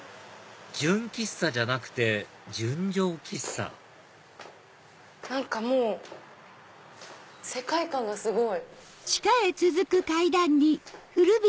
純喫茶じゃなくて純情喫茶何かもう世界観がすごい。